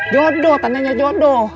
jodoh tandanya jodoh